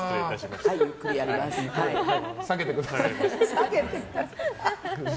下げてください。